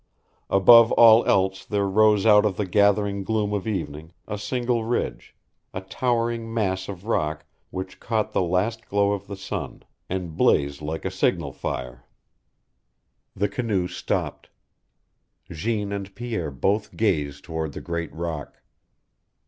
Above all else there rose out of the gathering gloom of evening a single ridge, a towering mass of rock which caught the last glow of the sun, and blazed like a signal fire. The canoe stopped. Jeanne and Pierre both gazed toward the great rock.